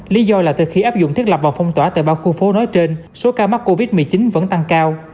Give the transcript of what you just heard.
lý do là từ khi áp dụng thiết lập và phong tỏa tại ba khu phố nói trên số ca mắc covid một mươi chín vẫn tăng cao